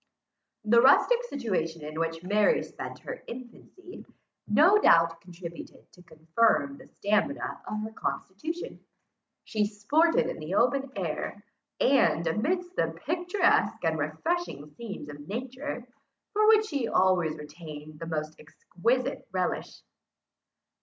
The rustic situation in which Mary spent her infancy, no doubt contributed to confirm the stamina of her constitution. She sported in the open air, and amidst the picturesque and refreshing scenes of nature, for which she always retained the most exquisite relish.